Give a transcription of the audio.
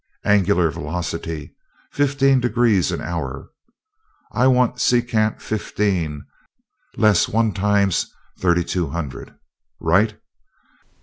Angular velocity, fifteen degrees an hour. I want secant fifteen less one times thirty two hundred. Right?